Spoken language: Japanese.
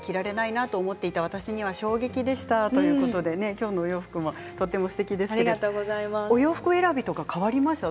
今日のお洋服もとてもすてきですがお洋服選びは変わりましたか？